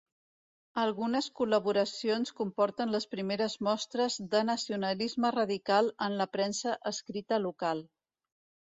Algunes col·laboracions comporten les primeres mostres de nacionalisme radical en la premsa escrita local.